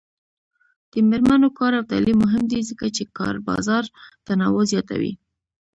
د میرمنو کار او تعلیم مهم دی ځکه چې کار بازار تنوع زیاتوي.